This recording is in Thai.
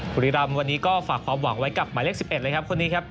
บุรีรำวันนี้ก็ฝากความหวังไว้กับหมายเลข๑๑เลยครับคนนี้ครับ